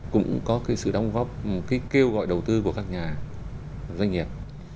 cũng có cái sự đóng góp cái kêu gọi đầu tư của các nhà doanh nghiệp